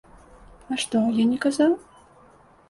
А што, я не казаў?